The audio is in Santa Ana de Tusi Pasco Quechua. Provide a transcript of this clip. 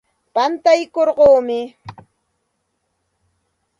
Pantaykurquumi.